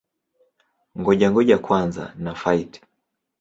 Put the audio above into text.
Ngoja-ngoja kwanza na-fight!